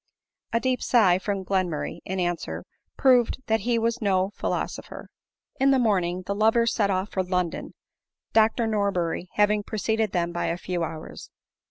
A deep sigh from Glenmurray, in answer, proved that he was no philosopher. Iu the morning the lovers set off for London, Dr Nor berry having preceded them by a few hours.